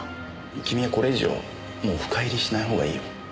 君はこれ以上もう深入りしないほうがいいよ。